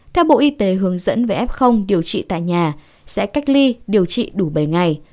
theo bộ y tế hướng dẫn về f điều trị tại nhà sẽ cách ly điều trị đủ bảy ngày